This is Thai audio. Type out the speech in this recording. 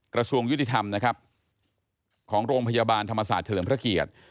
กระทรวงยุติธรรมนะครับของโรงพยาบาลธรรมศาสตร์เฉลิมพระเกียรติ